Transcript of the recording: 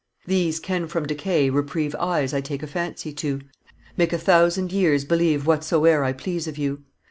"These can from decay reprieve Eyes I take a fancy to; Make a thousand, years believe Whatsoe'er I please of you.